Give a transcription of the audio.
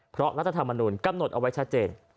เพราะรัฐธรรมนุนกำหนดเอาไว้ชัดเจน